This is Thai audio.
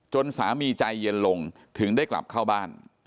สามีใจเย็นลงถึงได้กลับเข้าบ้าน